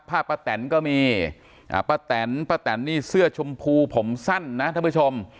ภาพปะแตนก็มีปะแตนสื่อชมพูผมสั้นนะท่านผู้ชม